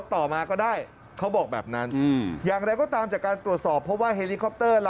ลามมิตร